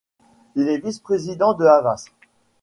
Il est vice-président de Havas.